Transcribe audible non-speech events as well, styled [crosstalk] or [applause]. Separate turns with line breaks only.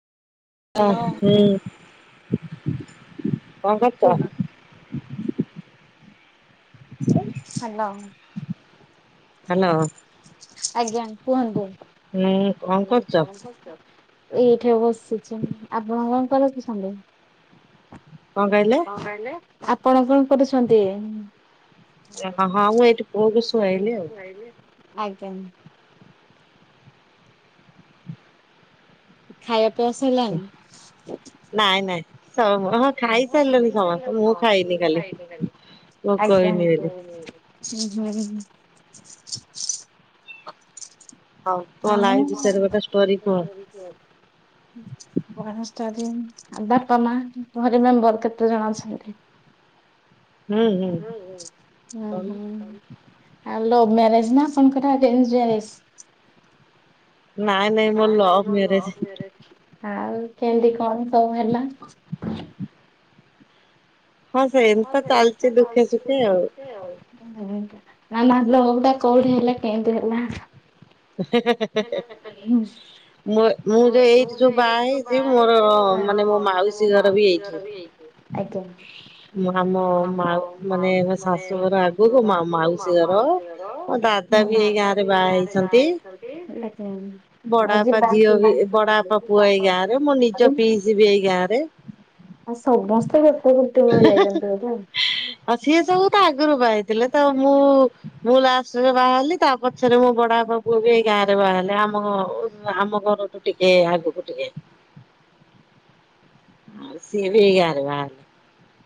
ହ ହୁଁ କଣ କରୁଛ? ହାଲୋ।
ଆଜ୍ଞା, କୁହନ୍ତୁ କଣ କରୁଚ? ଏଇଠି ବସିଚି, ଆପଣ କଣ? ପର ସାିଲ [unintelligible] କଣ କହିଲେ ଆପଣ କଣ କରୁଛନ୍ତି?
ପୁଅକୁ ଶୁଆଇଲି ଆଉ।
ଆଜ୍ଞା । ଖାଇବା ପିଆ ସଇଲାଣି?
ହଁ ଖାଇସାରିଲନି ସମସ୍ତେ, ମୁଁ ଖାଇନି ଖାଲି। ଭୋକ ହେଇନି ବୋଲି ।
ହୁଁ ହୁଁ। ହଁ ମୁଣ [unintelligible] ପାନସ୍ା ଦିନ [unintelligible] ଆ ବାପା ମା, ଘରେ ମେମ୍ବର କେତେ ଜଣ ଅଛନ୍ତି? ହ ହୁଁ ହୁଁ। ଆ ଲଭ ମ୍ୟାରେଜ ନା, ଆପଣଙ୍କର ଆରେଞ୍ଜ ମ୍ୟାରେଜ?
ନାଇଁ ନାଇଁ ମୋର ଲଭ୍ ମ୍ୟାରେଜ।
ଆଉ କେମିତି କଣ ସବୁ ହେଲା? ହଉ ସେଷ ଚାଲଛିଖ ଟିକେ ଆଉ [unintelligible] ନାନା ଲଭ ଟା କୋଉଠୁ ହେଲା କେନ୍ତୀ ହେଲା। [unintelligible]
ମୋ ମୁଁ ଯୋଉ ଏଇଠି ଯୋଉ ବାହା ହେଇଚି ମୋର ମାନେ ମୋ ମାଉସୀ ଘର ବି ଏଇଠି।
ଆଜ୍ଞା।
ମୋ ଆମ ମାଉ ମାନେ ମୋ ଶାଶୁଘର ଆଗୁକୁ ମା ମାଉସୀ ଘର ଅଁ ତା ନାନି ଏଇ ଗାଁ ରେ ବାହା ହେଇଛନ୍ତି।
[unintelligible] ହଁ ଯିବା ଯିବା [unintelligible] ଆଉ ସମସ୍ତେ ଗୋଟେ ଗୋଟେ କରିଯାଇଚନ୍ତି ବୋଧେ ଆଉ।
ସିଏ ସବୁ ତା ଆଗୁରୁ ବାହାହୋଇ ଥିଲେ ତ ମୁଁ ମୁଁ ଲାଷ୍ଟରେ ବାହାହେଲି ତା ପଛରେ ମୋ ବଡ଼ବାପା ମୁଁ ବି ଏଇ ଗାଁ ରେ ବାହାହେଲି ଆମ ଆମ ଘରଠୁ ଟିକେ ଆଗକୁ ଟିକେ
[inaudible]
ଆଉ ସିଏ ବି ଏଇ ଗାଁରେ ବାହା ହେଲେ।